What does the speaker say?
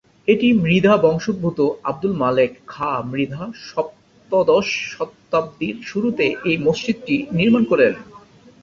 এটি মৃধা বংশোদ্ভূত আব্দুল মালেক খা মৃধা সপ্তদশ শতাব্দীর শুরুতে এই মসজিদটি নির্মাণ করেন।